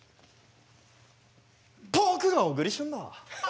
僕が小栗旬だ。